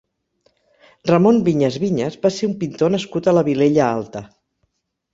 Ramon Vinyes Vinyes va ser un pintor nascut a la Vilella Alta.